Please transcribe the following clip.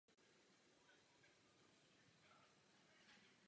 Dětství a dospívání prožil na Vysočině.